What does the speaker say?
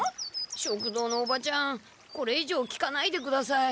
食堂のおばちゃんこれいじょう聞かないでください。